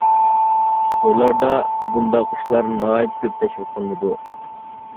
تورلاردا بۇنداق ئىشلار ناھايىتى كۆپ تەشۋىق قىلىنىدۇ.